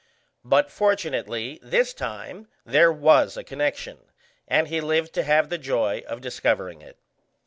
But fortunately this time there was a connection, and he lived to have the joy of discovering it.